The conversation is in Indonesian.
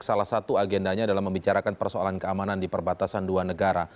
salah satu agendanya adalah membicarakan persoalan keamanan di perbatasan dua negara